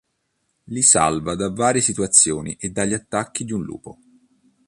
Li salva da varie situazioni e dagli attacchi di un lupo.